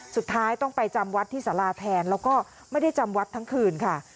สุดท้ายต้องไปจำวัดที่สาราแทนแล้วก็ไม่ได้จำวัดทั้งคืนค่ะ